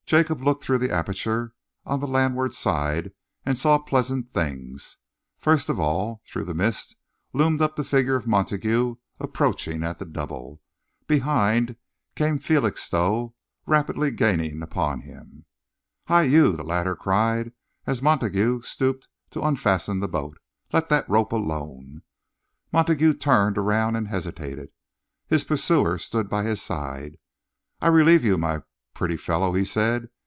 Jacob looked through the aperture on the landward side and saw pleasant things. First of all, through the mist, loomed up the figure of Montague, approaching at the double. Behind came Felixstowe, rapidly gaining upon him. "Hi, you," the latter cried, as Montague stooped to unfasten the boat, "let that rope alone!" Montague turned around and hesitated. His pursuer stood by his side. "I'll relieve you, my pretty fellow," he said.